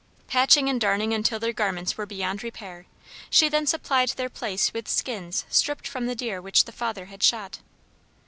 Patching and darning until their garments were beyond repair, she then supplied their place with skins stripped from the deer which the father had shot.